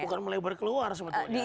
bukan melebar keluar sebetulnya